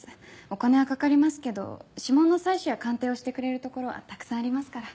お金はかかりますけど指紋の採取や鑑定をしてくれる所はたくさんありますから。